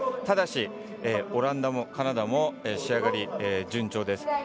ただし、オランダもカナダも仕上がり、順調です。